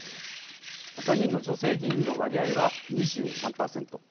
参議院の女性議員の割合は２３％。